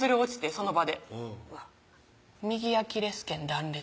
その場で右アキレス腱断裂